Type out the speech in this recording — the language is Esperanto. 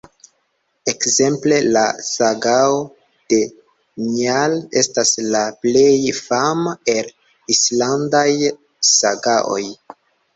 Ekzemple La sagao de Njal estas la plej fama el islandaj sagaoj.